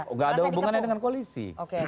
tidak ada hubungannya dengan koalisi